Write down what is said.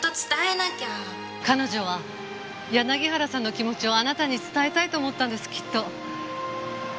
彼女は柳原さんの気持ちをあなたに伝えたいと思ったんですきっと。